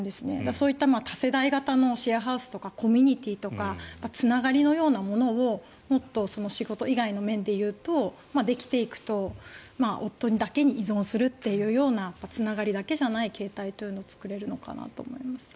そういった多世代型のシェアハウスとかコミュニティーとかつながりのようなものをもっと仕事以外の面でいうとできていくと夫にだけに依存するというようなつながりだけじゃない形態を作れるのかなと思います。